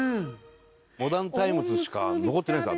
モダンタイムスしか残ってないです